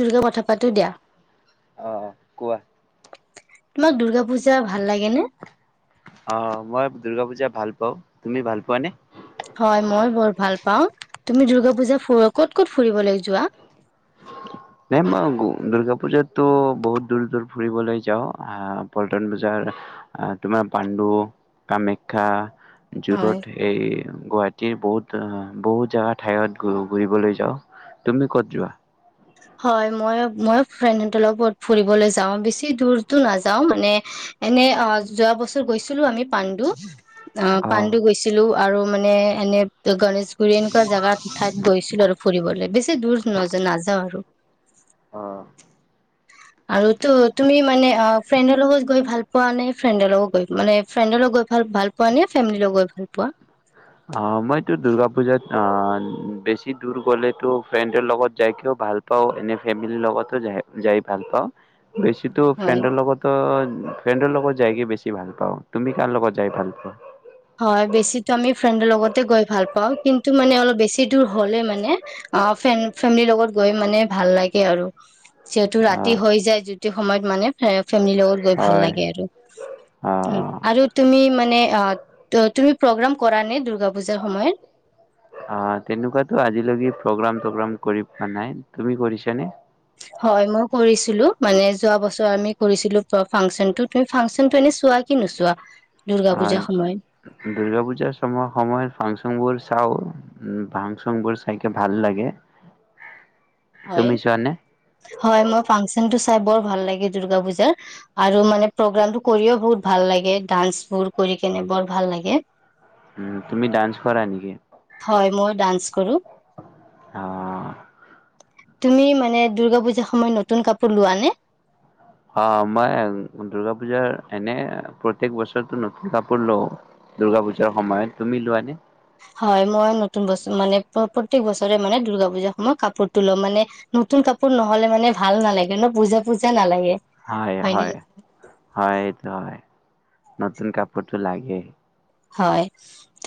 দুৰ্গা কথা পাতো দিয়া। অ', কোৱা। তোমাক দূৰ্গা পূজা ভাল লাগে নে? অহ ', মই দুৰ্গা পূজা ভাল পাও তুমি ভাল পোৱানে? হয় মই বৰ ভাল পাওঁ। তুমি দুৰ্গা পূজা ক'ত- ক'ত ফুৰিবলৈ যোৱা? নাই মই দুৰ্গা পূজাতো বহুত দূৰ- দূৰ ফুৰিবলৈ যাওঁ আহ', পল্টন বূজাৰ আহ', তোমাৰ পাণ্ডু কামাখ্যা। হয় যোৰত এই গুৱাহাটীত বহুত- বহুত জেগা ঠাইত ঘূৰিবলৈ যাওঁ। তুমি কত যোৱা? হয় মই- মই ফ্ৰেণ্ড সঁতৰ লগ ফুৰিবলৈ যাও বেছি দূৰতো নাযাও মানে এনে অহ ', যোৱা বছৰ গৈছিলো আমি। পাণ্ডু অহ ', অ'। পাণ্ডু গৈছিলো। আৰু মানে এনে। ত গণেশগুৰি এনেকুৱা জেগাত ঠাইত গৈছিলো আৰু ফুৰিবলৈ বি। দূৰ ন নাযাওঁ আৰু। অহ ', আৰু ত তুমি মানে ফ্ৰেণ্ডৰ লগত গৈ ভাল পোৱা নে ফ্ৰেণ্ডৰ লগত গৈ মানে ফ্ৰেণ্ডৰ লগত গৈ ভ ভাল পোৱা নে ফেমি লগ গৈ ভাল পোৱা। অহ ', মইতো দুৰ্গা পুজাত বেছি দূৰ গলেতো ফ্ৰেণ্ডৰ লগত যাইকও ভাল পাওঁ এনে ফেমিলিৰ লগতো যাই ভাল পাওঁ। বেছিতো হয় ফ্ৰেণ্ডৰ লগত- ফ্ৰেণ্ডৰ লগত। যাইগে বেছি ভাল পাওঁ তুমি কাৰ লগত যাই ভাল পোৱা। হয় বেছি আমি ফ্ৰেণ্ডৰ লগতে গৈ ভাল পাওঁ কিন্তু মানে অলপ বেছি দূৰ হলে মানে অহ ', ফেমিলিৰ লগত গৈ মানে ভাল লাগে আৰু যিহেতু অ ৰাতি হৈ যায় যিটো সময়ত মানে। ফেমিলিৰ লগত গৈ ভাল হয় লাগে আৰু। অ আৰু তুমি মানে অ। ত তুমি প্ৰগ্ৰাম কৰা নে দুূৰ্গা পূজাৰ সময়ত। অ তেনেকুৱাতো আজিলৈকে প্ৰগ্ৰাম গ্ৰাম কৰি পোৱা নাই তুমি কৰিছানে। হয় মই কৰিছিলো মানে যোৱা বছৰ আমি কৰিছিলো ফাংচনটো তুমি ফাংচনটো এনে চোৱা কি নোচোৱা দূৰ্গা পুজাৰ সময়ত। দুূৰ্গা পুজাৰ সময় সময়ত ফাংচন বোৰ চাও উ ফাংচন বোৰ চাইকে ভাল লাগে। হয় তুমি চোৱানে হয় মই ফানচন। টো চাই বৰ ভাল লাগে দূৰ্গা পুজাৰ আৰু মানে প্ৰগ্ৰামতটো কৰিও বহুত ভাল লাগে ডান্স বোৰ কৰি কেনে বৰ ভাল লাগে। তুমি ডান্স কৰা নেকি? ডাস্ন কৰোঁ। অ তুমি মানে দুূৰ্গা পূজা সময়ত নতুন কাপোৰ লোৱা নে? অ মই দূৰ্গা পূজাৰ এনে প্ৰত্যেক বছৰতে নতুন কাপোৰ লওঁ দুূৰ্গা পূজাৰ সময়ত। তুমি লোৱাানে? হয়, মই নতুন বছৰ মানে প্ৰত্যেক বছৰে মানে দূৰ্গা পুজাৰ সময়ত কাপোৰ তো লওঁ। মানে নতুন কাপোৰ নহ'লে মানে ভাল নালাগে ন পূজা পূজা নালাগে। হয়, হয়নে হয়, নহয় হয় এইটো হয়। নতুন কাপোৰটো লাগে। হয়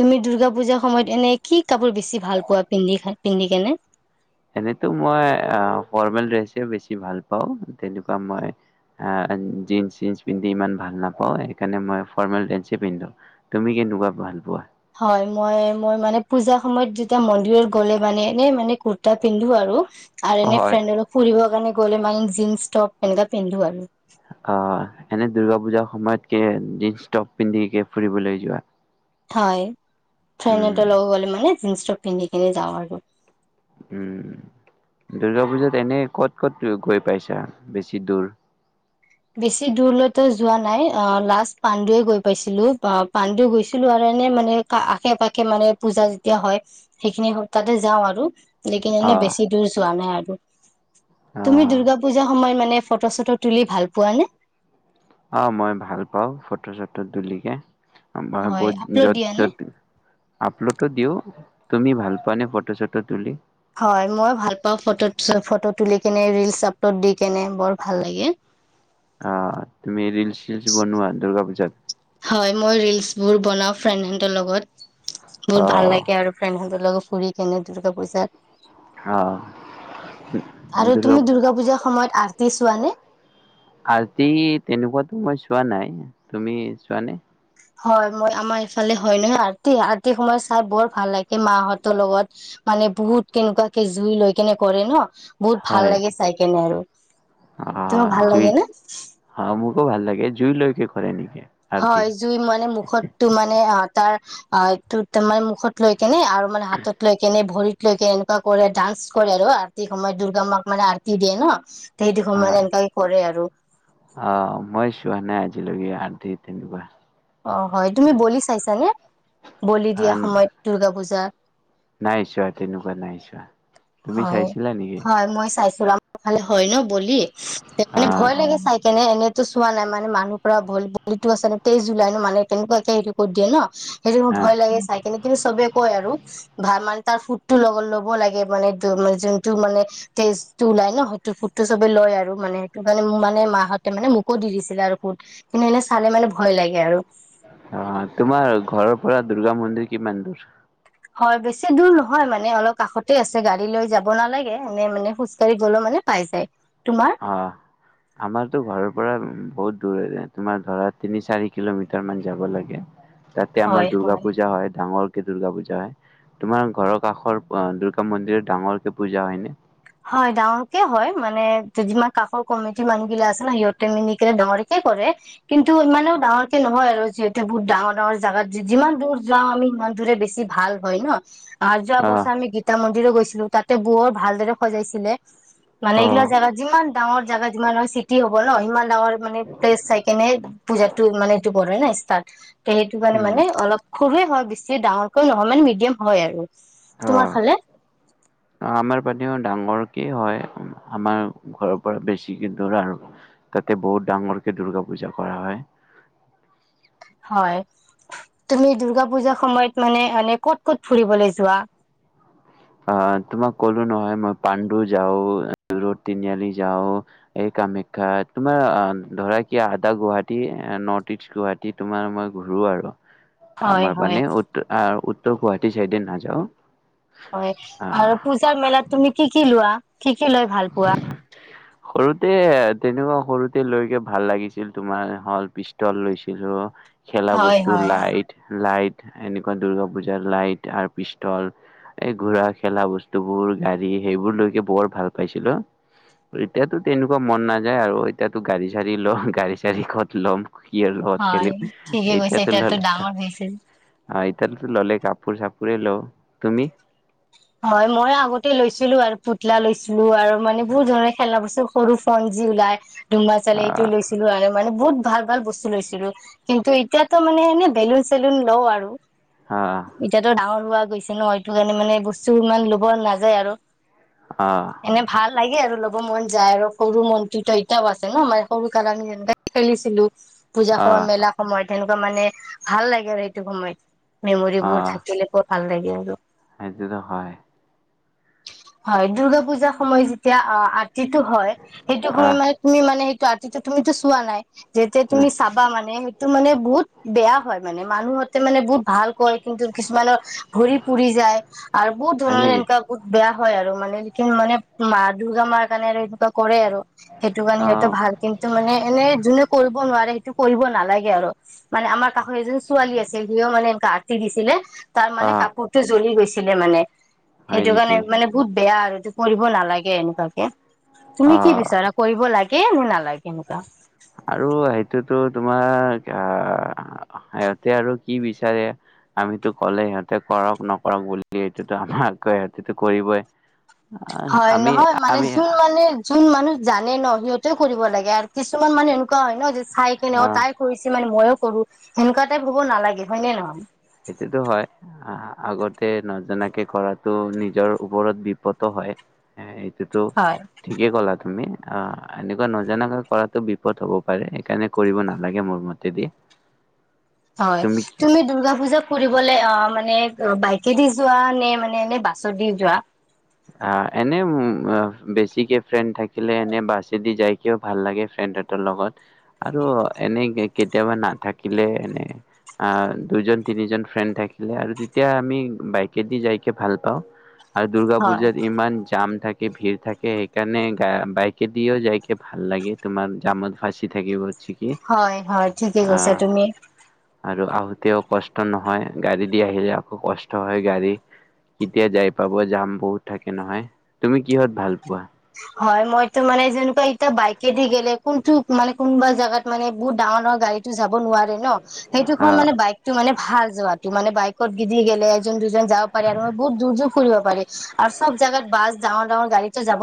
তুমি দূৰ্গা পূজাৰ সময়ত এনে কি কাপোৰ বেছি ভাল পোৱা পিন্ধি পিন্ধি কেনে? এনেতো মই ফৰ্মেল ড্ৰেচ বেছি ভাল পাওঁ এনেটো ‌মই ফৰ্মেল ড্ৰেচ বেছি ভাল পাওঁ তেনেকুৱা মই জীন্ চ পিন্ধি ইমান ভাল নাপাওঁ সেইকাৰণে মই ফৰ্মেল ড্ৰেচ পিন্ধো তুমি কেনেকুৱা ভাল পোৱা। হয় মই মই মানে পূজা সময়ত যেতিয়া মন্দিৰত গ'লে মানে এনেই মানে কুৰ্তা পিন্ধো আৰু। আৰু এনে হয়। ফ্ৰেণ্ড অল ফুৰিবৰ কাৰণে। গ'লে মানে জিনন্ টপ এনেুৱকা পিন্ধো আৰু। অ এনে দুূৰ্গা পূজাৰ সময়ত। জিনন্ টপ পিন্ধিকে ফুৰিবলৈ যোৱা। হয়। ফ্ৰেনে উম লগত গ'লে মানে। জীন‌্ টপ পিন্ধি কে যা আৰু। উম দুূৰ্গা পূজাত এনে ক'ত ক'ত গৈ পাইছা বেছি দূৰ। বেছি দূৰলৈতো যোৱা নাই। লাষ্ট পাণ্ডুৱয়ে গৈ বেছি দূৰলৈ যোৱা নাই। লাষ্ট পাণ্ডুৱে গৈ পাইছিলো পাণ্ডু গৈছিলো। আৰু মানে আশে পাশে মানে পূজা যেতিয়া হয় সেইখিনি সপ্তাহতে যাওঁ আৰু। লেকিন অ এনে বেছি দূৰ যোৱা নাই আৰু। অ [unintelligible] অ তুমি দুৰ্গা পূজা সময় মানে। ম ফটো চটো তুলি ভাল। পোৱা নে? অ মই ভাল পাও ফটো চটো তুলিকে। হয় আপলোড য'ত দিয়া নে য'ত আপ্লুটো দিও। তুমি ভাল পোৱা নে ফটো চটো তুলি। হয় মই ভাল পাওঁ ফটোত ফটোত। তুলি কেনে ৰিলচ আপলড দি কেনে বৰ ভাল লাগে। অ' তুমি ৰিলছ চিলছ বনোৱাা দুৰ্গা পূজাত? হয় মই ৰিলচবোৰ বনাওঁ ফ্ৰেণ্ডহঁতৰ লগত। অ বহুত ভাল লাগে আৰু ফ্ৰেন্ড হঁতক। লগত ফুৰি কেনে দুটকা পইচাত! অ আৰু তুমি দুৰ্গা পূজাৰ সময়ত। আৰতি চোৱা নে? আৰতি তেনেকুৱাতো মই চোৱা নাই তুমি চোৱা নে? হয় মই আমাৰ ইফালে হয় নহয় আৰতি। আৰতি সময় চাই বৰ ভাল লাগে মাহঁতৰ লগত মানে বহুত কেনেকুৱাকে জুই লৈ কেনে কৰে ন। বহুত ভাল লাগে। চাই কেনে আৰু। তোমাৰ অঁ ভাল লাগে জুইত নে? অঁ মোকো ভাল লাগে জুই লৈকে। হয় এ নেকি আৰতি হয় জুই মানে মুখতো মানে অঁ তাৰ অঁ এইটো তোমাৰে মুখত লৈ কেনে আৰু মানে হাতত লৈ কেনে ভৰিত কে এনেকুৱা কৰে ডান্স কৰে আৰু আৰ্তি সময়ত দুৰ্গা মাক মানে আৰ্তি দিয়ে ন।। সেইটো সময়ত এনেকে কৰে আৰু। আহ মই চোৱা নাই আজিলৈকে আধ তিনিবা। অঁ হয় তুমি বলি চাইছানে বলি দিয়া সময়ত দূৰ্গা পূজা নাই‌ চোৱা, তেনেকৈ নাই চোৱা তুমি হয় চাইছিলা নেকি? হয় মই চাইছো খালে হয় ন বলি মানে আহ ভয় লাগে চাই কেনে এনে চোৱা নাই মানে মানুহৰ পৰা ভ বলিো আ নে তেইছ জুলাই নো মানে তেনেকুৱাকে হেৰি কৰি দিয়ে ন সেইটো মোৰ ভয় লাগে চাই কিনে কিন্তু চবে কয় আৰু ভাল মান তাৰ ফুড টো লগ ল'ব লাগে মানে। মে যোনটো মানে তেজটো ওলাই ন সেইটো ফুডটো চবে লয় আৰু মানে সেইটো কাৰণে ম মানে মাহতে মানে মোকো দি দিছিলে আৰু ফুড কিন্তু এনে চালে মানে ভয় লাগে আৰু অঁ, তোমাৰ ঘৰৰ পৰা দুূৰ্গা মন্দিৰ কিমান দূৰ হয় বেছি দূৰ নহয় মানে অলপ কাষতে আছে গাড়ী লৈ যাব নালাগে, এনে মানে খোজ ককাঢ়ি গলেও মানে পাই যায় তোমাৰ অঁ আমাৰতো ঘৰৰ পৰা বহুত তোমাৰ ধৰা তিনি চাৰি কিলোমিটাৰ মান যাব লাগে তাতে হয় আমাৰ দূৰ্গা হয় পূজা হয় ডাঙৰ দূৰ্গা পূজা হয় তোমাৰ ঘৰৰ কাষৰ দুৰ্গা মন্দিৰত ডাঙৰ কেে পূজা হয়নে। হয় ডাঙৰকে হয় মানে যিমান কাষৰ কমিটিৰ মানুহগিলা আছে ন সিহঁতে মিলি কেনে ডাঙৰকে কৰে কিন্তু ইমানেও ডাঙৰকে নহয় আৰু যিহঁতে বহুত ডাঙৰ ডাঙৰ জোগাত যিমান দূৰ যাওঁ আমি সিমান দূৰে বেছি ভাল হয় ন। আৰু যোৱা আহ বছৰ আমি গীত মন্দিৰ গৈ ছিলো তাতে বৰ ভালদৰে সজাইছিলে মানে অ এইগিলা যাবা যিমান ডাঙৰ জোগা যিমান হয় চিটি হব ন, সিমান ডাঙৰ মানে প্লেচ চাই কেনে পুজা টো মানে এইটো বৰ [unintelligible] নাই [unintelligible] তাত তে সেইটো কাৰণে উম মানে অলপ সৰুৱে হয় বেছি ডাঙৰকৈ নহয় মানে মিডিয়াম হয় আৰু। তোমাৰ ফালে অ' আমাৰ প ডাঙৰকে হয়, আমাৰ ঘৰৰ পৰা বেছিকে দূৰ আৰু, তাতে বহুত ডাঙৰকে দূৰ্গা পূজা কৰা হয়। হয়, তুমি দুৰ্গা পুজাৰ সময়ত মানে ক'ত ক'ত ফুৰিবলৈ যোৱা? অ তোমাক ক'লো নহয় মই পাণ্ডুৰ যাও, ৰ'দ তিনিআলি যাও, এই কামাখ্যা, তোমাৰ ধৰা কি আদা গুৱাহাটী নৰ্থ ইষ্ট গুৱাহাটী তোমাৰ মই ঘূুৰো আৰু। হয় আমাৰ হয় মানে উত তৌ গুৱাহাটী চাইডে নাযাও হয় আৰু পূজাৰ মেলাত তুমি কি কি লোৱা? কি কি লয় ভাল পোৱা? সৰুতে তেনেকুৱা সৰুতে লৈকে ভাল লাগিছিল, তোমাৰ হল পিষ্টল লৈছিলো। খেলা হয় বস্তু, হয় লাইট, লাইট এনেকুৱা দূৰ্গা পুজাৰ লাইট আৰু পিষ্টল, এই ঘোৰা খেলা বস্তুবোৰ, গাড়ী সেইবোৰ লৈকে বৰ ভাল পাইছিলো। এতিয়াতো তেনেকুৱা মন নাযায় আৰু এতিয়াতো গাড়ী চাড়ী লম, গাড়ী চাাৰ়ীত ল'ম ইয় লগত হয় খেলিমস, ঠিকে কৈছে এতিয়াতে এতিয়াতো ললে ডাঙৰ হৈছে। তো ল'লে কাপোৰ চাপৰে লওঁ। তুমি? হয়, মই আগতে লৈছিলো আৰু পুতলা লৈছিলো আৰু মানে বহুত ধৰণে খেলনা বস্তু সৰু ফনজি ওলাই ধুমা চালে এইটো আহ লৈছিলো আৰু মানে বহুত ভাল ভাল বস্তু লৈছিলো কিন্তু এতিয়াতো মানে এনে বেলুন চেলুন লওঁ আৰু। আহ এতিয়াতো ডাঙৰ পোৱা গৈছে ন সটো কাৰণোনে বস্তু কিছু ইমান ল'ব নাযায় আৰু। আহ এনে ভাল লাগে আৰু লগ মন যায় আৰু সৰু মন্ত্ৰীতো এতিয়াও আছে ন মানে সৰু কাৰ আি যেনে খেলিছিলো। পূজা খ আহ মেলা সময়ত তেনেকুৱা মানে ভাল লাগে আৰু সেইটো সময়ত। মেমৰিবোৰ থাকিলে ভাল লাগে আৰু সেইতো হয়। হয় দুূৰ্গা পূজা সময় যেতিয়া আ যিটো হয় সেইটো সময় আহ মানে তুমি মানে ত আতিটো তুমিো চোৱা নাই যেতিয়া তুমি নাই চাবা মানে হে টো মানে বহুত বেয়া হয় মানে মানুহতে মানে বহুত ভালকৈ কিন্তু কিছুমানৰ ভৰি পুৰি যায় আৰু বহুত ধন হয় ন নেকি এনক বুত বয়া হয় আৰু মানে যিখিনি মানে মা দুৰ্গা মাৰ কাৰণে আৰু কৰে আৰু সেইটো কাৰণে সিহঁতে আহ ভাল কিন্তু মানে এনে যোনে কৰিব ন সেইটো কৰিব নালাগে আৰু মানে আমাৰ কাষৰ এজন ছোৱালী আছিল সিও মানে এনে আথি দিছিলে তাৰ মানে আহ কাপোৰতটো জ্বলি গৈছে ছিলে মানে হয় সেইটো কাৰণে নেকি মানে বহুত বেয়া আৰু টো কৰিব নালাগে এনেকুৱাকে তুমি কি অ' বিচৰা কৰিব লাগে একেই মোৰ নালাগে এনেুৱা আৰু সেইটোতো তোমাৰ আহ সিহঁতে আৰু কি বিচাৰে আমিতো ক'লে সিহঁতে কৰক নকৰক বুলি সেইটোতো আমাককৈ সিহতেতটো কৰিবই আহ হয় আমি নহয় মানে আমি যোন মানে যোন মানুহ জানে ন সিহঁতেও কৰিব লাগে আৰু কিছুমান মানুহ এনেকুৱা হয় ন চাই কিনে আহ তাই কৰিছে মানে মইো কৰো সেনেকুৱা টাইপ হ'ব নালাগে হয় নে নহয় সেইটোতো হয় আগতে নজনাকে কৰাতটো নিজৰ ওপৰত বিপদো হয় টো হয় ঠিকেই ক'লা তুমি অ এনেকুৱা নজাকৈ কৰাতো বিপদ হব পাৰে সেইকাৰণে কৰিব নালাগে মোৰ মতেদি হয় তুমি দুৰ্গা পূজা ফুৰিবলে অ মানে বাইকেদি যোৱা নে মানে এ বাছত দি যোৱা আহ এনে বেছিকে ফ্ৰেণ্ড থাকিলে এনে বাছেদি যাইকেও ভাল লাগে ফ্ৰেণ্ডহতৰ লগত আৰু এনে কেতিয়াবা নাথাকিলে এনে দুজন তিনিজন ফ্ৰেণ্ড থাকিলে আৰু তেতিয়া আমি বাইকেদি যাইকে ভাল পাওঁ আৰু দুৰ্গা হয় পুজাত ইমান জাম থাকে ভিৰ থাকে সেইকাৰণে গ বাইক দিয়ও যাইক ভাল লাগে তোমাৰ জামত ভাঁচি থাকিব হচ্ছে কি হয় হয় ঠিকে কৈছা তুমি তেতিয়া কষ্ট নহয় গাড়ী দি আহিলে আকৌ কষ্ট হয় গাড়ী কেতিয়া যাই পাব যাম বহুত থাকে নহয় তুমি কিহত ভাল পোৱা হয় মইতো মানে যেনেকুৱা এতিয়া বাইকেদি গেলে কোনটো মান কোনবা জাগাত মানে বহুত ডাঙৰ ডাঙৰ গাড়ীতো যাব নোৱাৰে ন সেইটো খ অ', মানে বাইকটো মানে ভাল যোৱাটো মানে বাইকত গিদি গেলে এজন যাব পাৰ আৰু মই বুত দূৰ যো কৰিব পাৰে আৰু চব জাগাত বছ ডাঙৰ ডাঙৰ গাড়ীটো যাব ন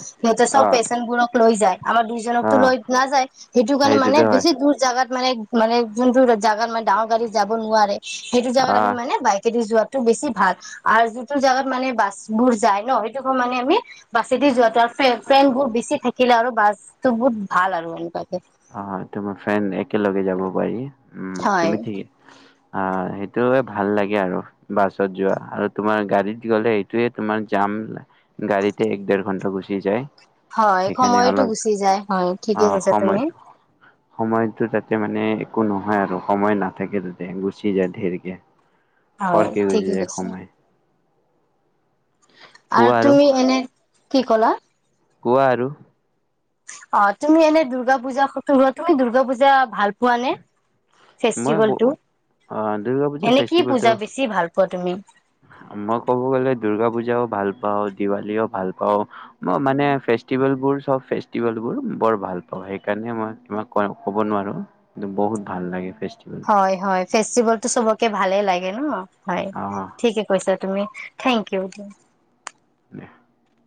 সিহঁতে চব পেচেন্ বোৰক লৈ যায় আমাৰ দুইজনকতো অ', লৈ নাযায় সেইটো কাৰণে মানে সেইটোতো হয়। বেছি দূৰ জাগাত মানে মানে যোনটোৰ জাগাৰ ম ডাঙৰ গাড়ীত যাব নোৱাৰে, সেইটো জেগাত আমি আহ মানে বাইক যোৱাটো বেছি ভাল আৰু যিটো জেগাত মানে বাছবোৰ যায় ন সেইটো খ মানে আমি বা যদি যোৱাাতটো আৰু ফে ফ্ৰেন্ড বহু বেছি থাকিলে আৰু বাছটো বহুত ভাল আৰু এনেকুৱাকে হ হয় তোমাৰ ফ্ৰেন্ড একেলগে যাব পাৰি। উম হয়, তুমি ঠিকেই অ সেইটোৱে ভাল লাগে আৰু বাছত যোৱা আৰু তোমাৰ গাড়ীত গ'লে সেইটোয়ে তোমাৰ যাম, গাড়ীতে এক ডেৰ ঘণ্টা গুচি যায়। হয়, সেইকাৰণে সময়তো অলপ গুচি যায় হয়, ঠিকে অ', কৈছা সময় তুমি। সময়টো তাতে মানে একো নহয় আৰু সময় নাথাকে তাতে গুচি যায় ধেৰিকে হয় খৰকে গুচি ঠিকে যায় কৈছা সময়। আৰু তুমি এনে কি ক'লা? কোৱা আৰু অঁ, তুমি এনে দূৰ্গা পূজা [unintelligible] তুমি দূৰ্গা পূজা, ভাল পোৱানে? মই বো, অ, দূৰ্গা পূজা এনে কি ফেষ্টিভেলটো। পূজা বেছি ভাল পোৱা তুমি? মই ক'ব গ'লে দূৰ্গা পূজাও ভাল পাওঁ, দীৱালীও ভাল পাওঁ, মই মানে ফেষ্টিভেলবোৰ চব ফেষ্টিভেলবোৰ বৰ ভাল পাওঁ, সেইকাৰণে মই [unintelligible] ক'ব নোৱাৰোঁ, কিন্ত বহুত ভাল লাগে। ফেষ্টিভেলবোৰ, হয় হয় ফেষ্টিভেলটো চবকে ভালে লাগ গে ন। হয়, অ'। ঠিকে কৈছা তুমি, থেংক ইউ। [unintelligible]